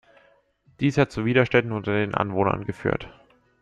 Dies hat zu Widerständen unter den Anwohnern geführt.